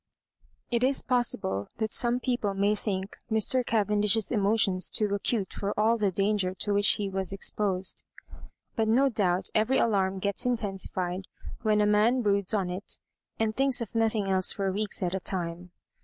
It is possible that some people may think Mr. Cavendish's emotions too acute for all the dan ger to which he was exposed; but no doubt every alarm gets intensified when a man broods on it, and thinks of nothing else for weeks at a time.